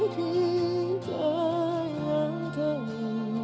kita yang tahu